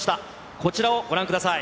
こちらをご覧ください。